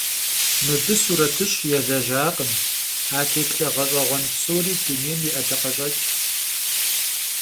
Mıbı suretış' yêlejakhım; a têplhe ğeş'eğuen psori dunêym yi 'edakheş'eç'ş.